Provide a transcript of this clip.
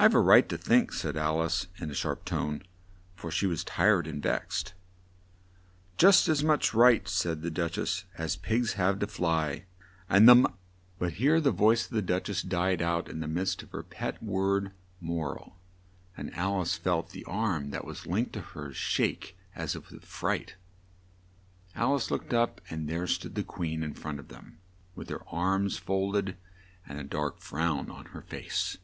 "I've a right to think," said Al ice in a sharp tone, for she was tired and vexed. "Just as much right," said the Duch ess, "as pigs have to fly; and the mor " But here the voice of the Duch ess died out in the midst of her pet word, "mor al," and Al ice felt the arm that was linked in hers shake as if with fright. Al ice looked up and there stood the Queen in front of them with her arms fold ed, and a dark frown up on her face.